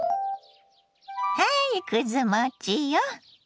はいくず餅よ。